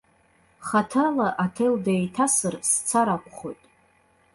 Хаҭала аҭел деиҭасыр сцар акәхоит.